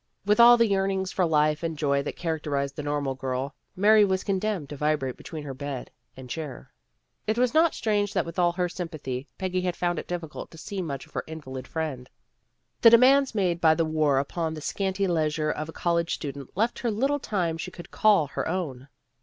With all the yearnings for life and joy that characterize the normal girl, Mary was condemned to vibrate between her bed and chair. It was not strange that with all her sym pathy Peggy had found it difficult to see much of her invalid friend. The demands made by the war upon the scanty leisure of a college student left her little time she could call her own.